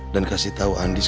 dan kasih tau andis